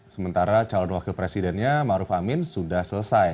sementara calon wakil presidennya maruf amin sudah selesai